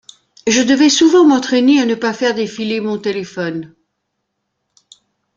Je devais souvent m'entraîner à ne pas faire défiler mon téléphone.